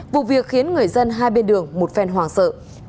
vụ việc khiến người dân hai bên đường một phen hoàng sợ